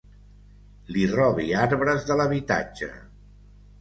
Li robi arbres de l'habitatge.